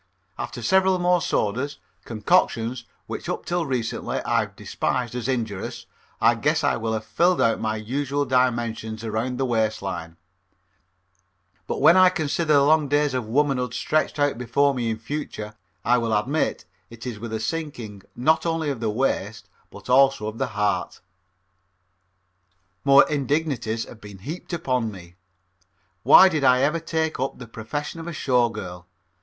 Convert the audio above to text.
After several more sodas, concoctions which up till recently I have despised as injurious, I guess I will have filled out to my usual dimensions around the waist line, but when I consider the long days of womanhood stretched out before me in the future I will admit it is with a sinking not only of the waist, but also of the heart. More indignities have been heaped upon me. Why did I ever take up the profession of a show girl?